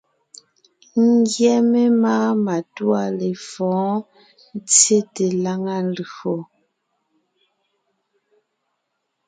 Ńgyɛ́ memáa matûa lefɔ̌ɔn tsyete lǎŋa lÿò.